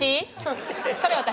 それ私？